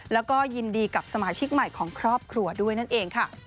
แล้วก็ยินดีกับสมาชิกใหม่ของครอบครัวด้วยนั่นเองค่ะ